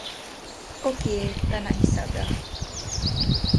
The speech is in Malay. Okey taknak hisap dah.